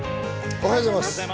おはようございます。